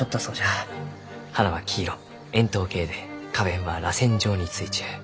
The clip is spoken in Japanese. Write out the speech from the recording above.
花は黄色円筒形で花弁はらせん状についちゅう。